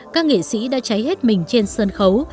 các nghệ sĩ đã cháy hết mình trên sân khấu